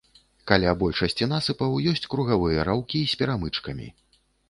Каля большасці насыпаў ёсць кругавыя раўкі з перамычкамі.